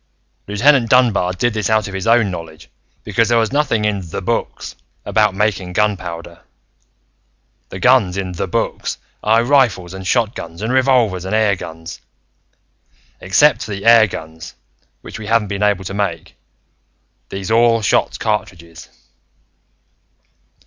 "Lieutenant Dunbar did this out of his own knowledge because there is nothing in The Books about making gunpowder. The guns in The Books are rifles and shotguns and revolvers and airguns. Except for the airguns, which we haven't been able to make, these all shot cartridges.